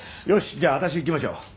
じゃあ私行きましょう。